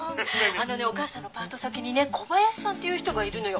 あのねお母さんのパート先にね小林さんっていう人がいるのよ。